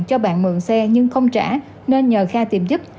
cho bạn mượn xe nhưng không trả nên nhờ kha tìm giúp